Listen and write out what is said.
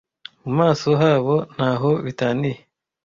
mu maso habo ntaho bitaniye